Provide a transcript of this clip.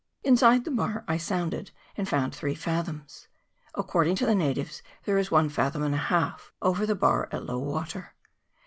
Inside the bar I sounded, and found three fathoms : according to the natives, there is one fathom and a half over the bar at low water.